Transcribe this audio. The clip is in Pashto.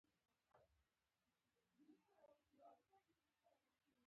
هلته انسان په توکو باندې حاکم او مسلط وي